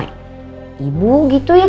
ibu gitu ya kan